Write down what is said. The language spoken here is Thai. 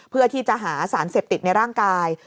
เพื่อที่จะหาสารเสพติดในร่างกาย